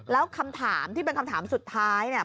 แล้วคำถามที่เป็นคำถามสุดท้ายเนี่ย